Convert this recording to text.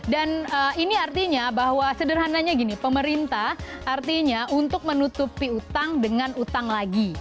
dan ini artinya bahwa sederhananya gini pemerintah artinya untuk menutupi utang dengan utang lagi